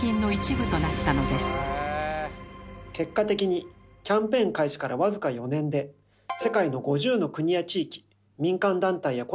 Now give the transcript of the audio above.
結果的にキャンペーン開始から僅か４年で世界の５０の国や地域民間団体や個人から約４，０００万ドル